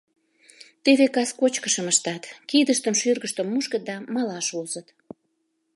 Теве кас кочкышым ыштат, кидыштым, шӱргыштым мушкыт да малаш возыт.